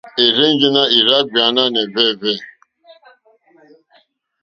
Érzènjé nà érzàɡbèáɛ́nɛ́hwɛ́.